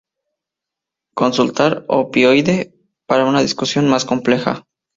Consultar opioide para una discusión más completa.